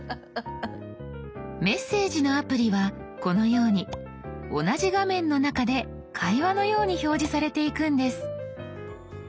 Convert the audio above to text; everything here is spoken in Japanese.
メッセージのアプリはこのように同じ画面の中で会話のように表示されていくんです。